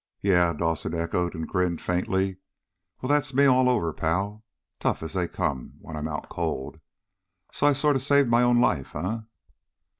"Yeah?" Dawson echoed, and grinned faintly. "Well, that's me all over, pal. Tough as they come when I'm out cold! So I sort of saved my own life, eh?"